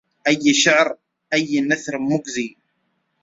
أي شعر أي نثر مجزيء